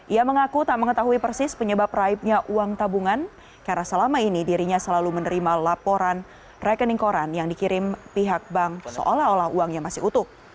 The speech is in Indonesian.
ia mengaku tak mengetahui persis penyebab raibnya uang tabungan karena selama ini dirinya selalu menerima laporan rekening koran yang dikirim pihak bank seolah olah uangnya masih utuh